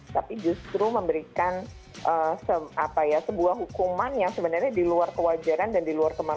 tapi justru memberikan sebuah hukuman yang sebenarnya di luar kewajaran dan di luar kemampuan